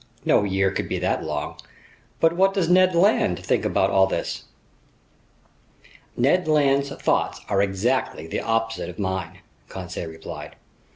No year could be that long. But what does Ned Land think about all this?" "Ned Land's thoughts are exactly the opposite of mine," Conseil replied.